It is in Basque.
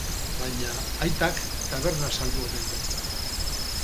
Baina, aitak taberna saldu omen du.